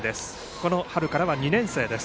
この春からは２年生。